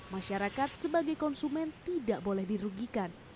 masyarakat sebagai konsumen tidak boleh dirugikan